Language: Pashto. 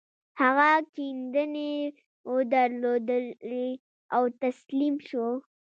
هغه کيندنې ودرولې او تسليم شو.